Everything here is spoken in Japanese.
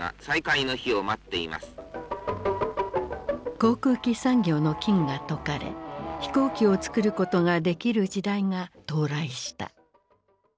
航空機産業の禁が解かれ飛行機をつくることができる時代が到来した。